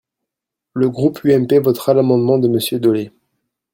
Le groupe UMP votera l’amendement de Monsieur Dolez.